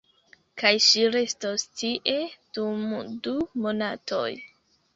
Kaj ŝi restos tie, dum du monatoj.